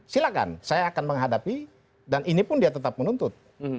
silahkan saya akan menghadapi dan ini pun dia tetap menuntut